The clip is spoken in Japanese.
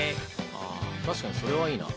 ああ確かにそれはいいな。